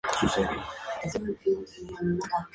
Las reliquias de Tirso fueron llevadas a Constantinopla.